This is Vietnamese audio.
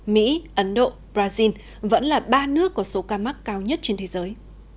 mỹ ấn độ brazil vẫn là ba nước có số ca mắc cao nhất trên thế giới